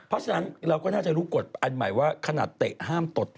เพราะฉะนั้นเราก็น่าจะรู้กฎอันใหม่ว่าขนาดเตะห้ามตด